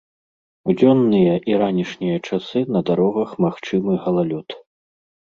У дзённыя і ранішнія часы на дарогах магчымы галалёд.